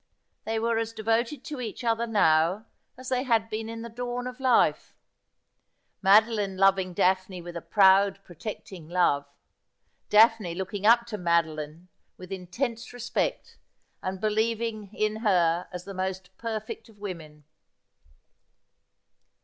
They were as de voted to each other now as they had been in the dawn of life : Madoline loving Daphne with a proud protecting love ; Daphne looking up to Madoline with intense respect, and believing in her as the most perfect of women.